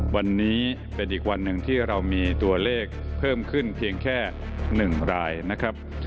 วันนี้เป็นอีกวันหนึ่งที่เรามีตัวเลขเพิ่มขึ้นเพียงแค่๑รายนะครับ